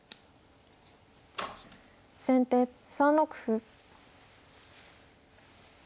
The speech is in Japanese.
先手３六歩。